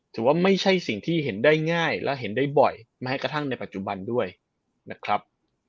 ถือว่าไม่ใช่สิ่งที่เห็นได้ง่ายและเห็นได้บ่อยแม้กระทั่งในปัจจุบันด้วยนะครับ